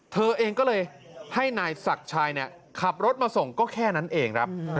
เธอเองก็เลยให้นายศักดิ์ชายขับรถมาส่งก็แค่นั้นเองครับ